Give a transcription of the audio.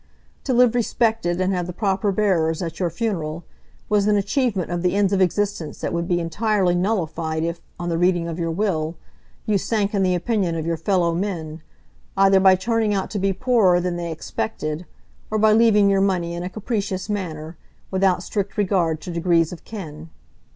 To live respected, and have the proper bearers at your funeral, was an achievement of the ends of existence that would be entirely nullified if, on the reading of your will, you sank in the opinion of your fellow men, either by turning out to be poorer than they expected, or by leaving your money in a capricious manner, without strict regard to degrees of kin.